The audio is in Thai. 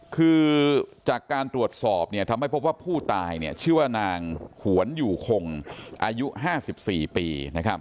คือจากการตรวจสอบทำให้พบว่าผู้ตายชื่อว่านางหวนอยู่คงอายุ๕๔ปี